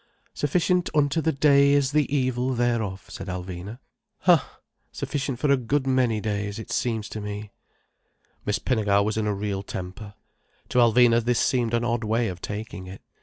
"Sufficient unto the day is the evil thereof," said Alvina. "Ha, sufficient for a good many days, it seems to me." Miss Pinnegar was in a real temper. To Alvina this seemed an odd way of taking it.